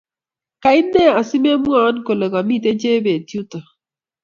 Kainee asimemwowon kole kamiten Chebet yuto